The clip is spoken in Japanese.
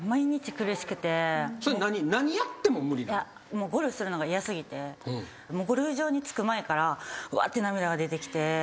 もうゴルフするのが嫌すぎてゴルフ場に着く前からうわって涙が出てきて。